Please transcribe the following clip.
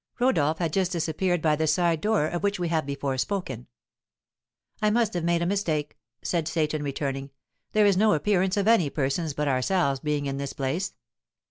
Rodolph had just disappeared by the side door, of which we have before spoken. "I must have made a mistake," said Seyton, returning; "there is no appearance of any persons but ourselves being in this place."